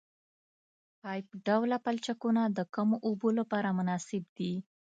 پایپ ډوله پلچکونه د کمو اوبو لپاره مناسب دي